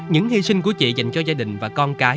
những hy sinh của chị dành cho gia đình và con cái